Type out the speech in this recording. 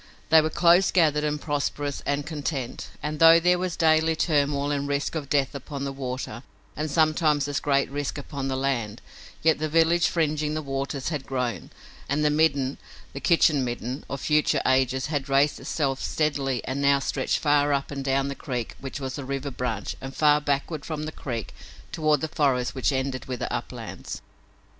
They were close gathered and prosperous and content, and though there was daily turmoil and risk of death upon the water and sometimes as great risk upon the land, yet the village fringing the waters had grown, and the midden the "kitchen midden" of future ages had raised itself steadily and now stretched far up and down the creek which was a river branch and far backward from the creek toward the forest which ended with the uplands.